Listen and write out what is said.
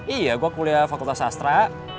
iya gue kuliah fakultas sastra